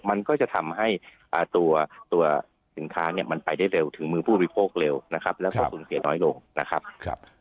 มันก็จะทำให้ตัวสินค้าเนี่ยมันไปได้เร็วถึงมือผู้บริโภคเร็วนะครับแล้วก็สูญเสียน้อยลงนะครับ